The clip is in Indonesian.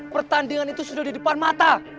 pertandingan itu sudah di depan mata